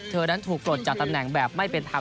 เธอนั้นถูกปลดจากตำแหน่งแบบไม่เป็นธรรม